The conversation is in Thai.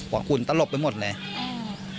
ว่าขุนตลบไปหมดเลย